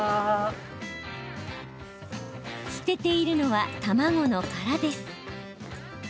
捨てているのは、卵の殻です。